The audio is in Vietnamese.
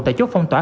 tại chốt phong tỏa